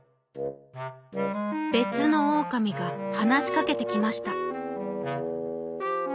べつのオオカミがはなしかけてきました。